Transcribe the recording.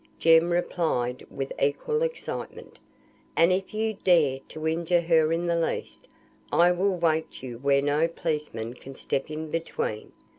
Jem replied with equal excitement "And if you dare to injure her in the least, I will await you where no policeman can step in between.